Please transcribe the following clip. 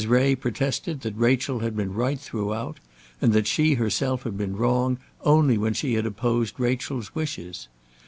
Ray protested that Rachel had been right throughout, and that she herself had been wrong only when she had opposed Rachel's wishes.